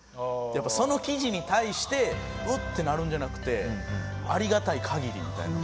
やっぱりその記事に対して「うっ」ってなるんじゃなくて「ありがたい限り」みたいな。